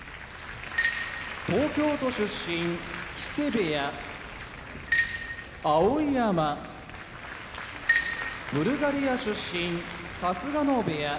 東京都出身木瀬部屋碧山ブルガリア出身春日野部屋